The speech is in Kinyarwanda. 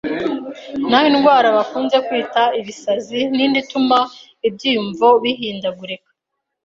Naho indwara bakunze kwita ibisazi n’indi ituma ibyiyumvo bihindagurika